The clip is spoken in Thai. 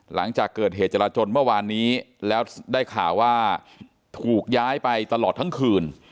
หลังจากเกิดเหตุจราจนเมื่อวานนี้แล้วได้ข่าวว่าถูกย้ายไปตลอดทั้งคืน